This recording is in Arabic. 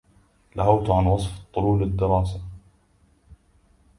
لهوت عن وصف الطلول الدارسه